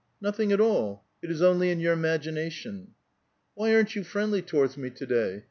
'*' Nothing at all ; it is only in your imagination." *' Why aren't you friendly towards me to day?